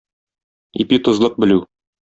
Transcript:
Ипи-тозлык белү.